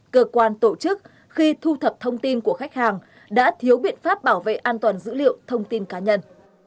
cơ quan tổ chức khi thu thập thông tin của khách hàng đã thiếu biện pháp bảo vệ an toàn dữ liệu thông tin cá nhân